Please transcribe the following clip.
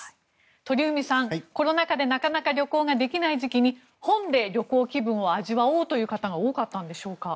鳥海さん、コロナ禍でなかなか旅行ができない時期に本で旅行気分を味わおうという方が多かったんでしょうか？